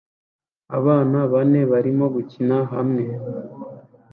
Abana bane barimo gukina hamwe